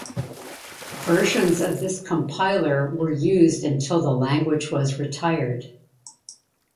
Versions of this compiler were used until the language was retired.